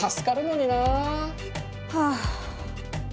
はあ。